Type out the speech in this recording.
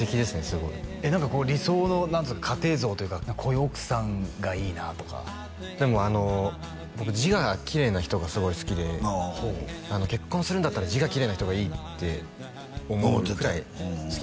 すごい何かこう理想の家庭像というかこういう奥さんがいいなとかでも僕字がきれいな人がすごい好きで結婚するんだったら字がきれいな人がいいって思うくらい好きなんです